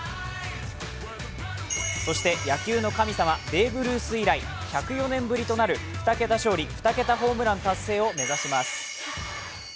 そして野球の神様、ベーブ・ルース以来１０４年ぶりとなる２桁勝利・２桁ホームラン達成を目指します。